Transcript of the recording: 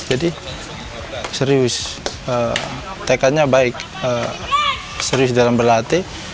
jadi serius tekatnya baik serius dalam berlatih